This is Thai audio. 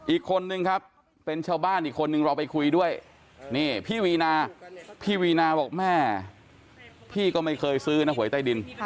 อีกคนนึงครับเป็นชาวบ้านอีกคนนึงเราไปคุยด้วยนี่พี่วีนาพี่วีนาบอกแม่พี่ก็ไม่เคยซื้อนะหวยใต้ดิน